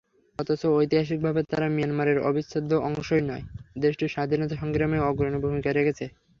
অথচ ঐতিহাসিকভাবে তারা মিয়ানমারের অবিচ্ছেদ্য অংশই নয়, দেশটির স্বাধীনতাসংগ্রামেও অগ্রণী ভূমিকা রেখেছে।